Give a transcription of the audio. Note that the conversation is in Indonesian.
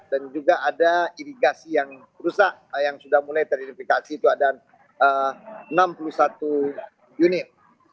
dan juga ada irigasi yang rusak yang sudah mulai teridentifikasi itu ada enam puluh satu unit